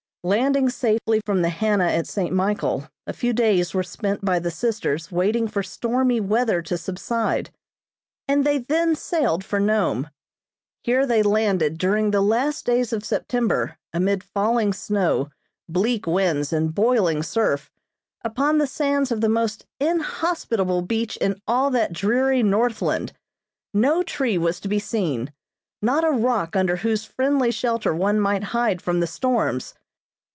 Landing safely from the "Hannah" at St. Michael, a few days were spent by the sisters waiting for stormy weather to subside, and they then sailed for Nome. Here they landed during the last days of September, amid falling snow, bleak winds and boiling surf, upon the sands of the most inhospitable beach in all that dreary Northland. No tree was to be seen. Not a rock under whose friendly shelter one might hide from the storms.